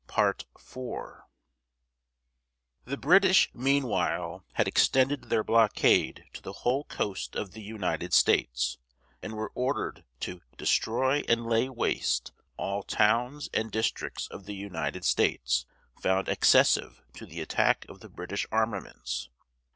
S. JONES. The British, meanwhile, had extended their blockade to the whole coast of the United States, and were ordered to "destroy and lay waste all towns and districts of the United States found accessive to the attack of the British armaments."